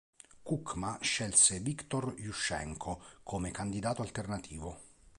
Kučma scelse Viktor Juščenko come candidato alternativo.